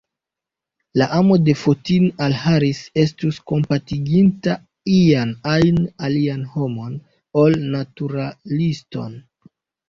La amo de Fotini al Harris estus kompatiginta ian ajn alian homon, ol naturaliston.